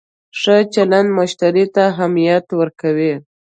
ښه چلند مشتری ته اهمیت ورکوي.